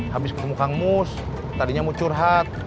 habis ketemu kang mus tadinya mau curhat